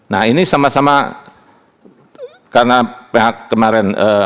nah ini sama sama karena pihak kemarin